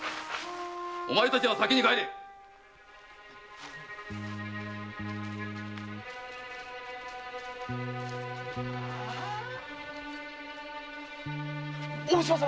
お前たちは先に帰れ大柴様